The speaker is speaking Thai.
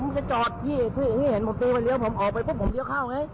ผมจะจอดพี่พี่เห็นผมตีไปเลี้ยผมออกไปปุ๊บผมเลี้ยวเข้าไง